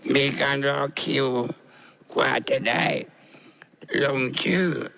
มีการรอคิวกว่าจะได้ลงชื่อ